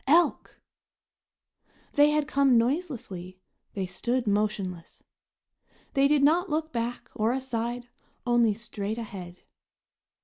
Elk! They had come noiselessly, they stood motionless. They did not look back or aside, only straight ahead.